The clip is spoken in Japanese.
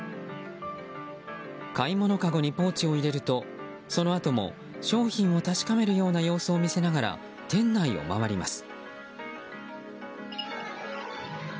買い物かごにポーチを入れるとそのあとも商品を確かめるような様子を見せながら店内を回ります。